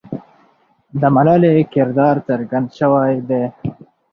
د ملالۍ کردار څرګند سوی دی.